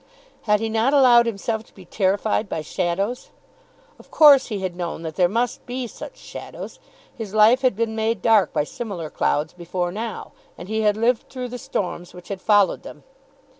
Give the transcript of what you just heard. Had he not allowed himself to be terrified by shadows? Of course he had known that there must be such shadows. His life had been made dark by similar clouds before now, and he had lived through the storms which had followed them.